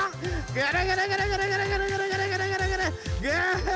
ぐるぐるぐるぐるぐるぐるぐるぐるぐるぐるぐる。